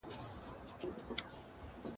ذهن مو د نوو موندنو لپاره پرانیزئ.